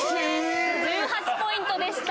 １８ポイントでした。